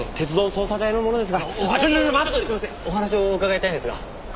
お話を伺いたいんですが。